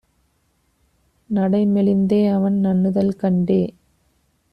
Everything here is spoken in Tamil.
நடைமெலிந் தேஅவன் நண்ணுதல் கண்டே